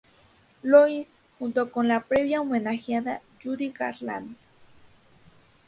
Louis" junto con la previa homenajeada Judy Garland.